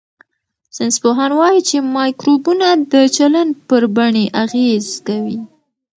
ساینسپوهان وايي چې مایکروبونه د چلند پر بڼې اغېز کوي.